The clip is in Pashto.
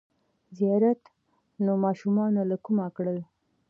ـ زیارت نوماشومان له کومه کړل!